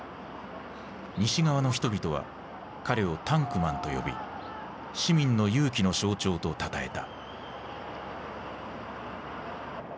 西側の人々は彼を「タンクマン」と呼び市民の勇気の象徴とたたえた。